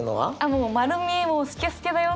もう丸見えもうスケスケだよって。